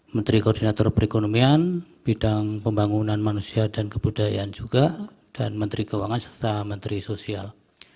menteri koordinator perekonomian bidang pembangunan manusia dan kebudayaan juga dan menteri keuangan serta menteri sosial